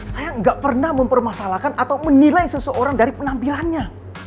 saya nggak pernah mempermasalahkan atau menilai seseorang dari penampilannya